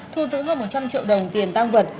thu giữ hơn một trăm linh triệu đồng tiền tăng vật